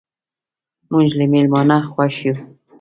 موږ له میلمانه خوښ یو.